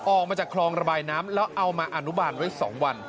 ออกมาจากคลองระบายน้ำแล้วเอามาอนุบาลไว้๒วัน